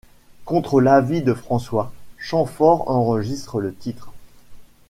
Contre l'avis de François, Chamfort enregistre le titre.